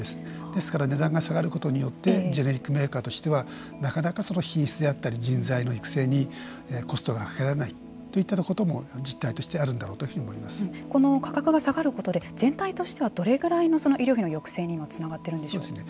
ですから値段が下がることによってジェネリックメーカーとしてはなかなか品質であったり人材の育成にコストがかけられないといったことも実態としてあるんだろうこの価格が下がることで全体としてはどれぐらいの医療費の抑制にはつながっているんでしょうか。